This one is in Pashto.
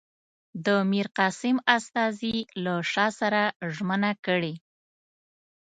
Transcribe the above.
د میرقاسم استازي له شاه سره ژمنه کړې.